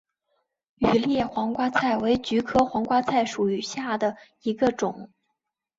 羽裂黄瓜菜为菊科黄瓜菜属下的一个种。